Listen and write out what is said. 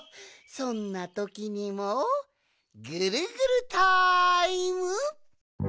そんなときにもぐるぐるタイム！